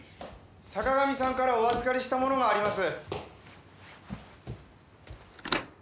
坂上さんからお預かりしたものがあります。